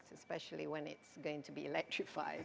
terutama ketika akan dielaktrifisir